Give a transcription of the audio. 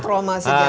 satu trauma sejarah